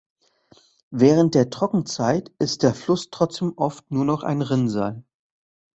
Während der Trockenzeit ist der Fluss trotzdem oft nur noch ein Rinnsal.